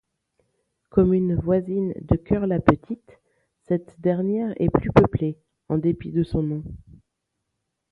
Commune voisine de Kœur-la-Petite, cette dernière est plus peuplée, en dépit de son nom.